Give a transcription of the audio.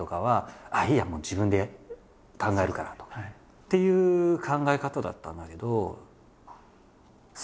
っていう考え方だったんだけどそれをね